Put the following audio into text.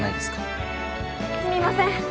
すみません。